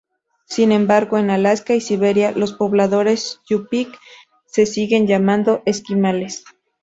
Sin embargo, en Alaska y Siberia, los pobladores yupik se siguen llamando esquimales.